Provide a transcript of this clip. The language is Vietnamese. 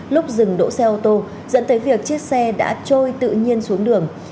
lúc dừng đỗ xe ô tô dẫn tới việc chiếc xe đã trôi tự nhiên xuống đường